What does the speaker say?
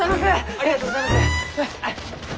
ありがとうございます！